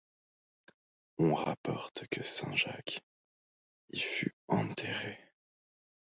On rapporte que Saint Jacques y fut enterré.